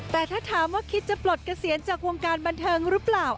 แต่ถ้าถามว่าคิดจะปลดเกษียณจากวงการบันเทิงหรือเปล่า